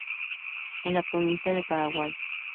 En la Provincia del Paraguay.